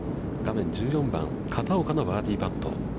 １４番、片岡のバーディーパット。